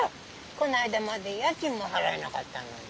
こないだまで家賃も払えなかったのに。